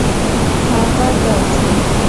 هغه دا چي